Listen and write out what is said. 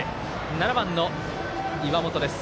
７番の岩本です。